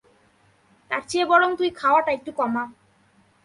তার চেয়ে বরং তুই খাওয়াটা একটু কমা।